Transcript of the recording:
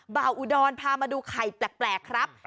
บ่าวอุดรพามาดูไข่แปลกครับ